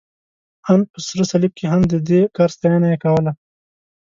ان په سره صلیب کې هم، د دې کار ستاینه یې کوله.